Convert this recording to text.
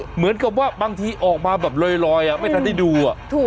เหมือนกับว่าบางทีออกมาแบบลอยไม่ทันได้ดู